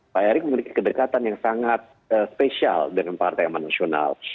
pak erick memiliki kedekatan yang sangat spesial dengan partai aman nasional